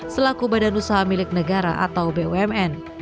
selaku badan usaha milik negara atau bumn